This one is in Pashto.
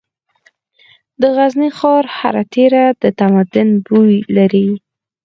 د غزني ښار هره تیږه د تمدن بوی لري.